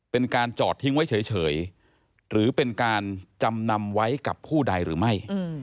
เป็นการจอดทิ้งไว้เฉยหรือเป็นการจำนำไว้กับผู้ใดหรือไม่